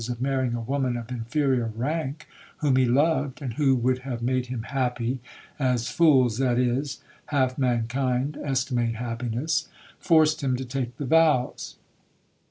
of marrying a woman of inferior rank whom he loved, and who would have made him happy, as fools, that is, half mankind, estimate happiness) forced him to take the vows.